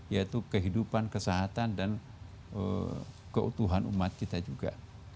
yaitu kehidupan kesehatan dan keutuhan umat kita juga